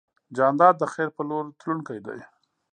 جانداد د خیر په لور تلونکی دی.